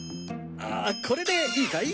これでいいかい？